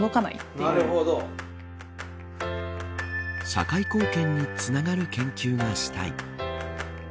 社会貢献につながる研究がしたい。